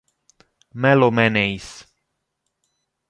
Mellow Man Ace